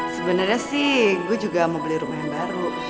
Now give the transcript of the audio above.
sebenarnya sih gue juga mau beli rumah yang baru